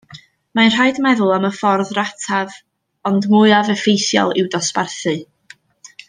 Mae'n rhaid meddwl am y ffordd rataf ond mwyaf effeithiol i'w dosbarthu